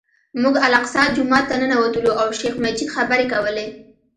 موږ الاقصی جومات ته ننوتلو او شیخ مجید خبرې کولې.